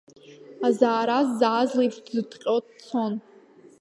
Азаара ззааз леиԥш дыҭҟьа дцон…